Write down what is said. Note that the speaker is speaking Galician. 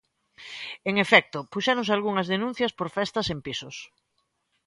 En efecto, puxéronse algunhas denuncias por festas en pisos.